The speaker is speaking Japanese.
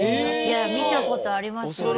いや見たことありますよ。